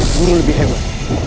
guru lebih hebat